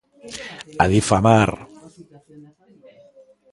A difamar.